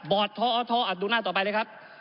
บอดทอดูหน้าต่อไปครับ